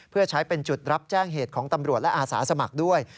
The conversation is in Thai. เพื่อใช้เป็นจุดรับแจ้งเหตุของตำรวจและอาสาสมัครด้วย